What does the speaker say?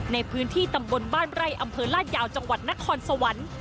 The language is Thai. ในพื้นที่ตำบลบ้านไร่อำเภอลาดยาวจังหวัดนครสวรรค์